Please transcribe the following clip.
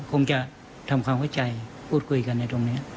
คงจะทำความเข้าใจพูดคุยกันในตรงนี้